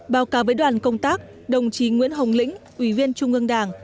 báo cáo với đoàn công tác đồng chí nguyễn hồng lĩnh ủy viên trung ương đảng